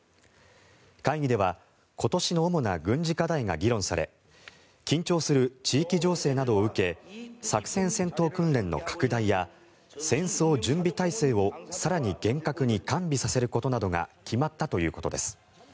会議では今年の主な軍事課題が議論され緊張する地域情勢などを受け作戦戦闘訓練の拡大や戦争準備態勢を更に厳格に完備させることなどが決まったということです。